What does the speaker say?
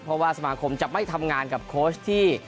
เพราะว่าสมาคมจะไม่ทำงานกับโค้ชที่